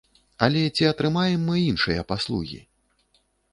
Але ці атрымаем мы іншыя паслугі?